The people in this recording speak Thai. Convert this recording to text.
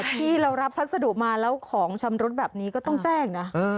ที่เรารับพัสดุมาแล้วของชำรุดแบบนี้ก็ต้องแจ้งนะ